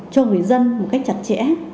cho người dân một cách chặt chẽ